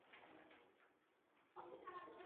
南直隶辛卯乡试。